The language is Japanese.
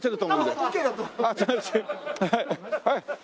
はい。